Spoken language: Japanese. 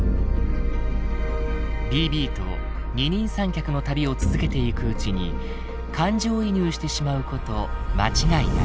ＢＢと二人三脚の旅を続けていくうちに感情移入してしまうこと間違いない。